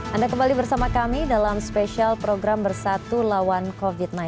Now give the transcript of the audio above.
anda kembali bersama kami dalam spesial program bersatu lawan covid sembilan belas